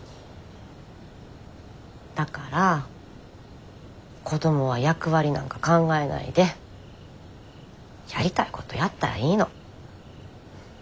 だから子どもは役割なんか考えないでやりたいことやったらいいの。